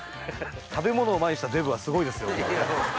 食べ物を前にしたデブはすごいですよ。